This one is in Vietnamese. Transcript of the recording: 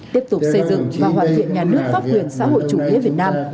tiếp tục xây dựng và hoàn thiện nhà nước pháp quyền xã hội chủ nghĩa việt nam